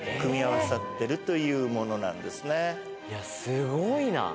すごいな。